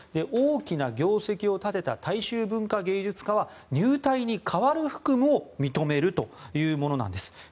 大きな業績を立てた大衆文化芸術家は入隊に代わる服務を認めるというものなんです。